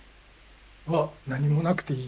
は何もなくていい。